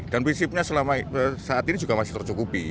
dan prinsipnya saat ini juga masih tercukupi